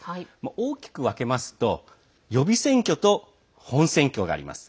大きく分けますと予備選挙と本選挙があります。